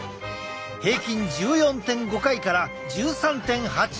平均１４．５回から１３．８回に！